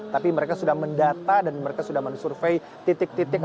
tapi mereka sudah mendata dan mereka sudah mensurvey titik titik